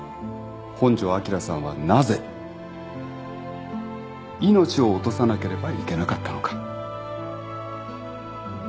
本庄昭さんはなぜ命を落とさなければいけなかったのか。